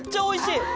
おいしい。